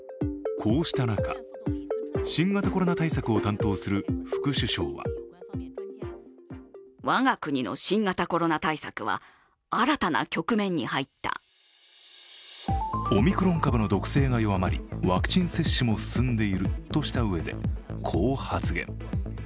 こうした中、新型コロナ対策を担当する副首相はオミクロン株の毒性が弱まりワクチン接種も進んでいるとしたうえで、こう発言。